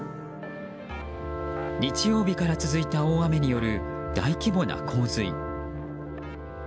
日曜日から続いた大雨による大規模な洪水。